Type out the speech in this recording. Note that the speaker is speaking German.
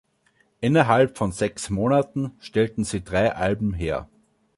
Innerhalb von sechs Monaten stellten sie drei Alben her.